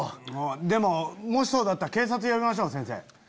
でももしそうだったら警察呼びましょう先生。